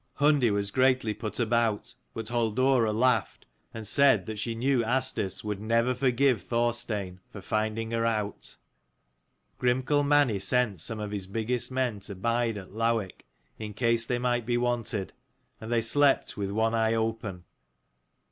Hundi was greatly put about, but Halldora laughed, and said that she knew Asdis would never forgive Thorstein for finding her out. Grimkel Mani sent some of his biggest men to bide at Lowick, in case they might be wanted : and they slept with one eye open.